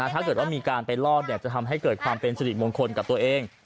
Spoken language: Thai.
ถ้าเกิดว่ามีการไปลอดจะทำให้เกิดความเป็นสิริมงคลกับตัวเอง